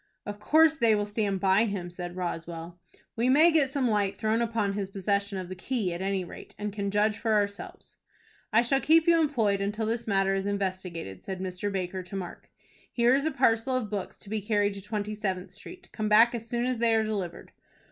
"Of course they will stand by him," said Roswell. "We may get some light thrown upon his possession of the key, at any rate, and can judge for ourselves." "I shall keep you employed until this matter is investigated," said Mr. Baker to Mark. "Here is a parcel of books to be carried to Twenty Seventh Street. Come back as soon as they are delivered."